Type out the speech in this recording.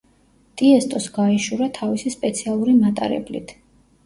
ტიესტოს გაეშურა თავისი სპეციალური მატარებლით.